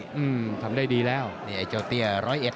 อืมทำได้ดีแล้วนี่ไอ้เจ้าเตี้ยร้อยเอ็ด